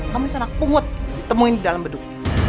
kamu itu anak pungut ditemuin di dalam beduk